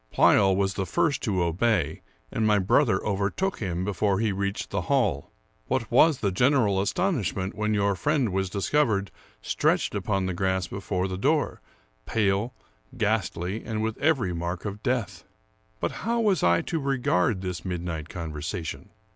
Pleyel was the first to obey, and my brother overtook him before he reached the hall. What was the general astonishment when your friend was discovered stretched upon the grass before the door, pale, ghastly, and with every mark of death! But how was I to regard this midnight conversation?